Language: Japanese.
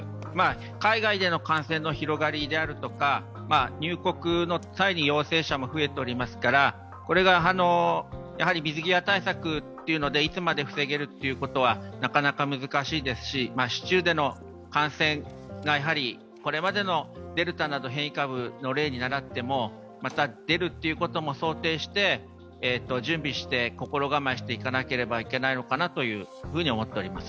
海外での感染の広がりであるとか、入国の際に陽性者も増えていますから、これが水際対策というのでいつまで防げるというのはなかなか難しいですし、市中での感染がやはり、これまでのデルタなど変異株の例にならってもまた出るということも想定して準備して心構えしなければいけないのかなと思っています。